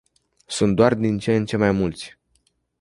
Sunt doar din ce în ce mai mulți.